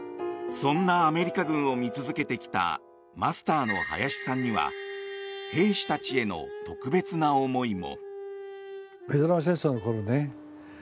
そんなアメリカ軍を見続けてきたマスターの林さんには兵士たちへの特別な思いも。